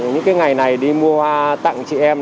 những cái ngày này đi mua hoa tặng chị em